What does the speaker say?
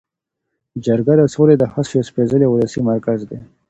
جرګه د سولې د هڅو یو سپیڅلی او ولسي مرکز دی.